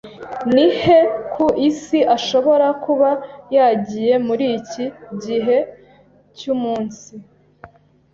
Ni he ku isi ashobora kuba yagiye muri iki gihe cyumunsi?